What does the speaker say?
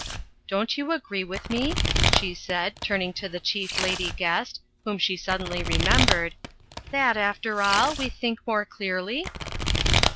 Don't you agree with me," she said, turning to the Chief Lady Guest, whom she suddenly remembered, "that, after all, we think more clearly?"